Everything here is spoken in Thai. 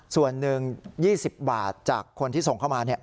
ส่วนหนึ่ง๒๐บาทจากคนที่ส่งเข้ามา